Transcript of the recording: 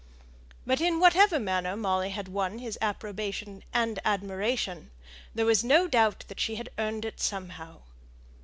But in whatever way Molly had won his approbation and admiration, there was no doubt that she had earned it somehow.